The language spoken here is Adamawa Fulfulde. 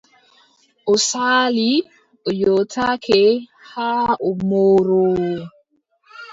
O saali, o yottake, haa o mooroowo.